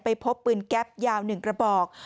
พบปืนแก๊ปยาว๑กระบอก